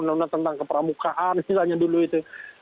undang undang tentang kepramukaan misalnya dulu itu